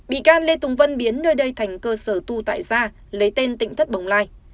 bị can lê tùng vân biến nơi đây thành cơ sở tu tại gia lấy tên tịnh thất bồng lai